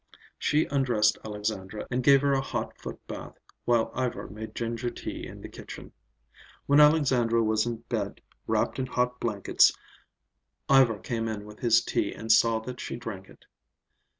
She undressed Alexandra and gave her a hot footbath, while Ivar made ginger tea in the kitchen. When Alexandra was in bed, wrapped in hot blankets, Ivar came in with his tea and saw that she drank it.